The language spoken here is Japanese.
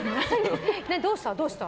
どうした？